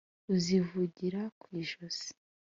uzivugira ku ijosi.